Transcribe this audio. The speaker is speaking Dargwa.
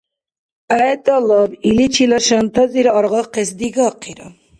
ГӀе, тӀалаб... Иличила шантазира аргъахъес дигахъира.